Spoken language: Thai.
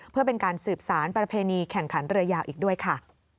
เพื่อเป็นการสืบสารประเพณีแข่งขันเรือยาวอีกด้วยค่ะ